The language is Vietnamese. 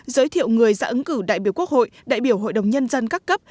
giới thiệu người ra ứng cử đại biểu quốc hội đại biểu hội đồng nhân dân các cấp